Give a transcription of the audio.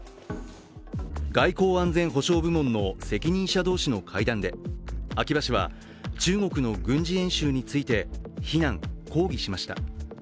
外交安全保障部門の責任者同士の会談で秋葉氏は中国の軍事演習について非難、抗議しました。